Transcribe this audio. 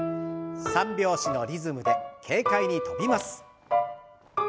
３拍子のリズムで軽快に跳びます。